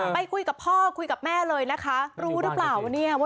ไปคุยกับพ่อคุยกับแม่เลยนะคะรู้หรือเปล่าว่าเนี่ยว่า